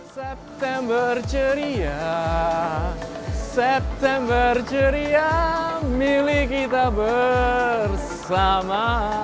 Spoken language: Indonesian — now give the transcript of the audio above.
september ceria september ceria milik kita bersama